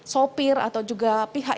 sopir atau juga pihak